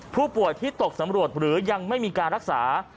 ผู้ป่วยที่ตกสำรวจหรือยังไม่มีการรักษา